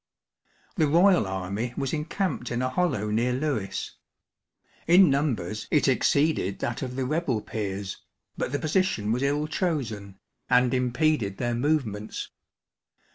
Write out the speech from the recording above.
The royal army was encamped in a hollow near Lewes ; THE BATTLE OF LEWES. 297 ia numbers it exceeded that of the rebel peers, but the position was ill chosen, and impeded their movements.